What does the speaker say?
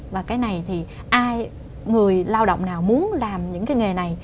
và cái này thì ai người lao động nào muốn làm những cái nghề này